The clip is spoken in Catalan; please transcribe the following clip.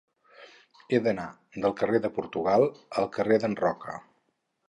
He d'anar del carrer de Portugal al carrer d'en Roca.